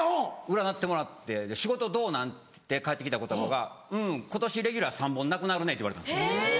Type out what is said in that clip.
占ってもらって「仕事どうなん？」って言って返って来た言葉が「うん今年レギュラー３本なくなるね」って言われたんです。